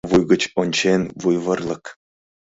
Вуй гыч ончен вуйвырлык